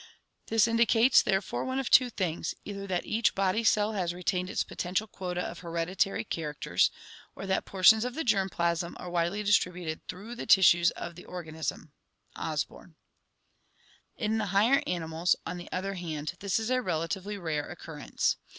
This indi cates, therefore, one of two things, either that each body cell has retained its potential quota of hereditary characters, or that por tions of the germ plasm are widely distributed through the tissues of the organism (Osborn). In the higher animals, on the other hand, this is a relatively rare occurrence.